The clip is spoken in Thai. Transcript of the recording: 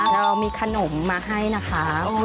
เรามีขนมมาให้นะคะ